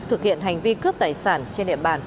thực hiện hành vi cướp tài sản trên địa bàn